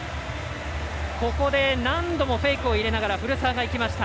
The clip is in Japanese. ここで、何度もフェイクを入れながら古澤がいきました。